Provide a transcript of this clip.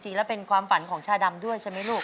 จริงแล้วเป็นความฝันของชาดำด้วยใช่ไหมลูก